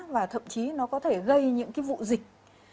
và thậm chí nó có thể gây những cái vụ dịch